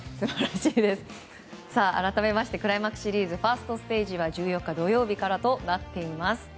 改めましてクライマックスシリーズファーストステージは１４日、土曜日からとなっています。